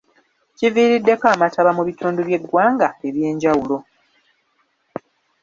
Kiviiriddeko amataba mu bitundu by’eggwanga ebyenjawulo.